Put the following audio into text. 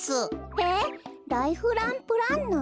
えっライフランプランナー？